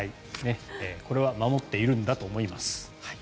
これは守っているんだと思います。